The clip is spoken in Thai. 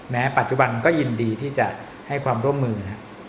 ปัจจุบันก็ยินดีที่จะให้ความร่วมมือ